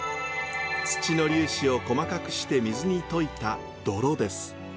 土の粒子を細かくして水に溶いた泥です。